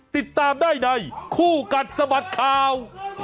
ติดตามได้ในคู่กัดสะบัดข่าว